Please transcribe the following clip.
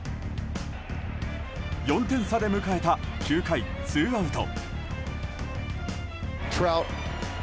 ４点差で迎えた９回ツーアウト。